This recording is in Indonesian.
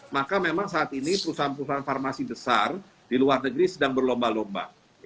maka memang saat ini perusahaan perusahaan farmasi besar di luar negeri sedang berlomba lomba